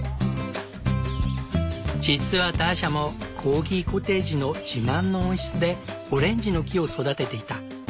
実はターシャもコーギコテージの自慢の温室でオレンジの木を育てていた。